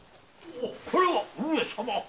これは上様？